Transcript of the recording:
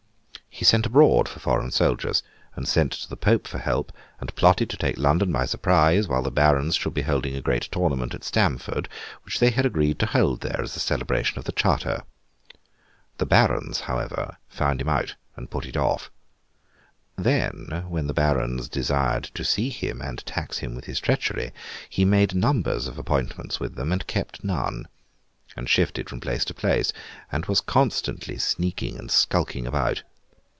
He sent abroad for foreign soldiers, and sent to the Pope for help, and plotted to take London by surprise, while the Barons should be holding a great tournament at Stamford, which they had agreed to hold there as a celebration of the charter. The Barons, however, found him out and put it off. Then, when the Barons desired to see him and tax him with his treachery, he made numbers of appointments with them, and kept none, and shifted from place to place, and was constantly sneaking and skulking about.